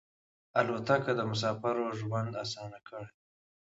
الوتکه د مسافرو ژوند اسانه کړی.